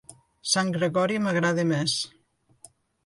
Sant Gregori m'agrada més.